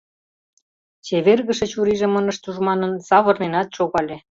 Чевергыше чурийжым ынышт уж манын, савырненат шогале.